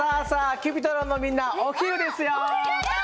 Ｃｕｐｉｔｒｏｎのみんなお昼ですよ。